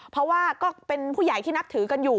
เพราะว่าก็เป็นผู้ใหญ่ที่นับถือกันอยู่